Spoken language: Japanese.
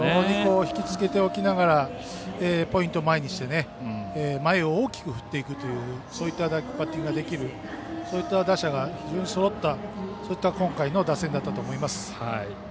非常に引きつけておきながらポイントを前にして前を大きく振っていくというそういったバッティングができる、そういった打者が非常にそろったそういった今回の打線だったと思います。